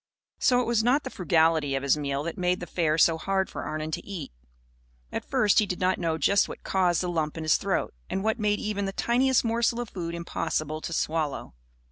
So it was not the frugality of his meal that made the fare so hard for Arnon to eat. At first he did not know just what caused the lump in his throat and what made even the tiniest morsel of food impossible to swallow.